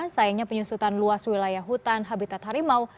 sayangnya penyusutan luas wilayah hutan habitat harimau